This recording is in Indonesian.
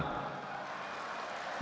tidak usah lama lama